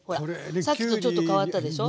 さっきとちょっと変わったでしょ。